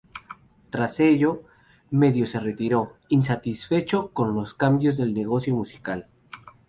Tras ello, medio se retiró, insatisfecho con los cambios del negocio musical.